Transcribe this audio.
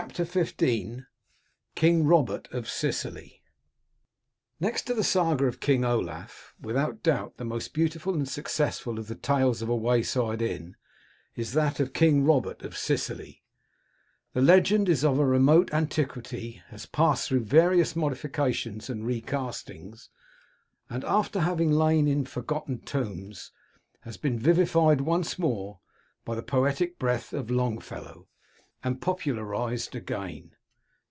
236 KING ROBERT OF SICILY Next to the Saga of King Olaf, without doubt the most beautiful and successful of the Tales of a Wayside Inn, is that of King Robert of Sicily, The legend is of a remote antiquity, has passed through various modifications and recastings, and, after having lain by in foi^otten tomes, has been vivified once more by the poetic breath of Longfellow, and popu larised again.